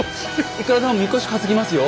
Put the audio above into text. いくらでもみこし担ぎますよ！